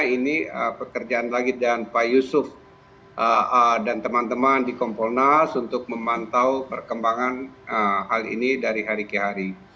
ini pekerjaan lagi dan pak yusuf dan teman teman di kompolnas untuk memantau perkembangan hal ini dari hari ke hari